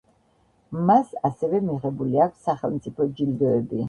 მას ასევე მიღებული აქვს სახელმწიფო ჯილდოები.